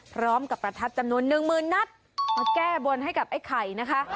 พร้อมกับประทัดจำนวน๑๐๐๐๐นัทมาแก้บ้นให้กับไอ้ไข่นะคะ